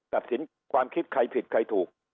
ตัดสินความคิดใครผิดใครถูก